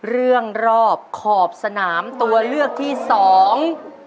รอบขอบสนามตัวเลือกที่สอง